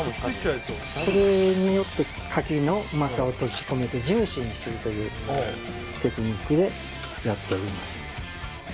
これによって牡蠣のうまさを閉じ込めてジューシーにするというテクニックでやっております